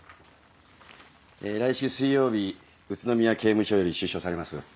来週水曜日宇都宮刑務所より出所されます。